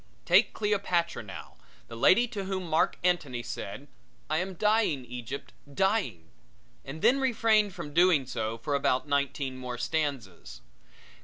Take Cleopatra now, the lady to whom Marc Antony said: "I am dying, Egypt, dying," and then refrained from doing so for about nineteen more stanzas.